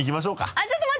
あっ！